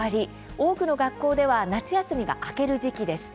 多くの学校では夏休みが明ける時期です。